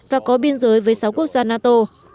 và có biên giới với sáu quốc gia nato